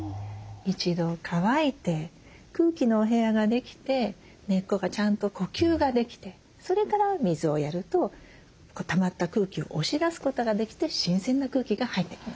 一度乾いて空気のお部屋ができて根っこがちゃんと呼吸ができてそれから水をやるとたまった空気を押し出すことができて新鮮な空気が入ってきます。